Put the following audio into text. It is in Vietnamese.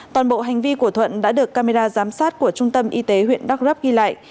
toàn bộ hành vi của thuận đã được camera giám sát của trung tâm y tế huyện đắk rấp ghi lại